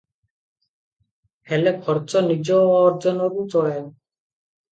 ହେଲେ ଖର୍ଚ୍ଚ ନିଜ ଅର୍ଜନରୁ ଚଳାଏ ।